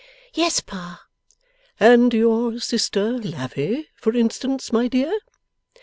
'Yes, Pa.' 'And your sister Lavvy, for instance, my dear?